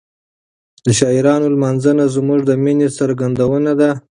د شاعرانو لمانځنه زموږ د مینې څرګندونه ده.